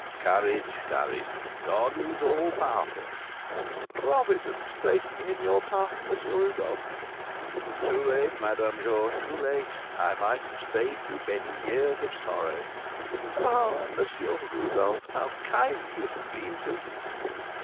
"Courage, courage; God is all powerful." "Providence placed me in your path, M. Rodolph." "Too late, Madame Georges; too late. I might have saved you many years of sorrow." "Ah, M. Rodolph, how kind you have been to me!"